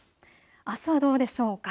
あすはどうでしょうか。